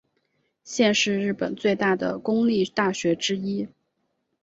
现是日本最大的公立大学之一。